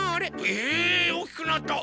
えっ⁉おおきくなった！